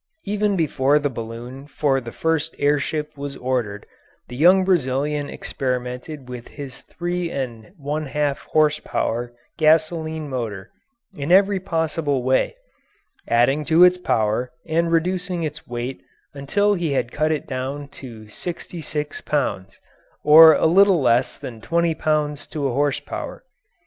Even before the balloon for the first air ship was ordered the young Brazilian experimented with his three and one half horse power gasoline motor in every possible way, adding to its power, and reducing its weight until he had cut it down to sixty six pounds, or a little less than twenty pounds to a horse power.